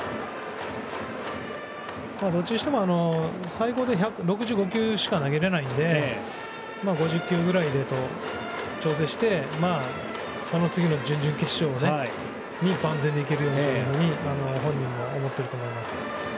どっちにしても最高で６９球しか投げられないので５０球ぐらいで調整してその次の準々決勝に万全で行けるようにと本人も思ってると思います。